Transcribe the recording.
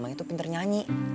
mama itu pinter nyanyi